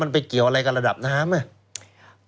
มันไปเกี่ยวอะไรกับระดับน้ำอ่ะ